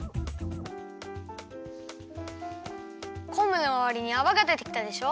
こんぶのまわりにあわがでてきたでしょ？